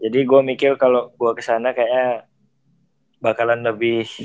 jadi gue mikir kalo gue kesana kayaknya bakalan lebih